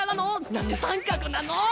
なんで三角なの？